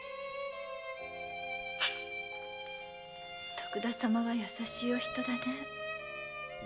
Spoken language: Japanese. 徳田様は優しいお人だね。